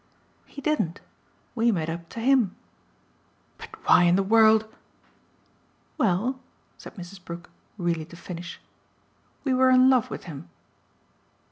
"He didn't. We made up to HIM." "But why in the world ?" "Well," said Mrs. Brook, really to finish, "we were in love with him."